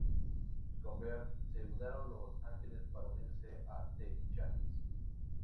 Con Beard se mudaron a Los Angeles para unirse a "The Champs".